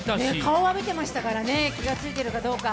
顔は見てましたから、気が付いているかどうか。